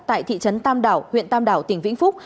tại thị trấn tam đảo huyện tam đảo tỉnh vĩnh phúc